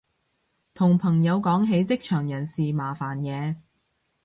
同朋友講起職場人事麻煩嘢